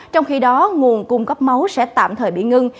trong khi đó nguồn cung cấp máu sẽ tạm thời bị ngưng